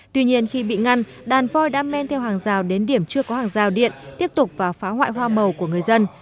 tuy nhiên khi bị ngăn đàn voi đã men theo hàng rào đến điểm chưa có hàng rào điện tiếp tục và phá hoại hoa màu của người dân